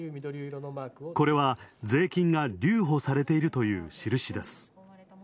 これは税金が留保されているという印です。